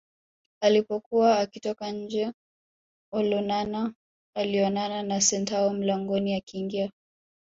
Alipokuwa akitoka nje Olonana alionana na Santeu mlangoni akiingia